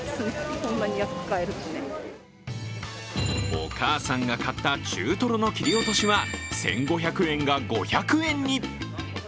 お母さんが買った中トロの切り落としは、１５００円が５００円に。